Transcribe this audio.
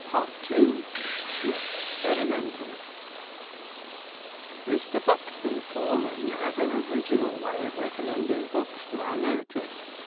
(2) THE EXPERIMENTALIST Mr. Buxton Forman has an original way of recommending books to our notice.